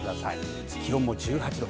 気温も１８度。